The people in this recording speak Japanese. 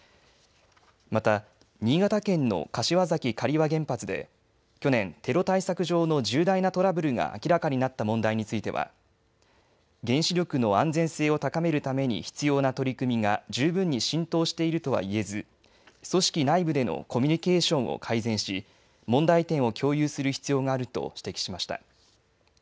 また新潟県の柏崎刈羽原発で去年、テロ対策上の重大なトラブルが明らかになった問題については原子力の安全性を高めるために必要な取り組みが十分に浸透しているとは言えず、組織内部でのコミュニケーションを改善し問題点を共有する必要があると指摘しました。